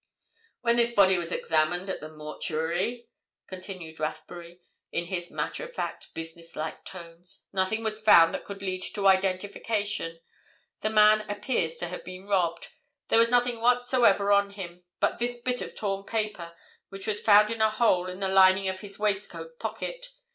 "When this body was examined at the mortuary," continued Rathbury, in his matter of fact, business like tones, "nothing was found that could lead to identification. The man appears to have been robbed. There was nothing whatever on him—but this bit of torn paper, which was found in a hole in the lining of his waistcoat pocket.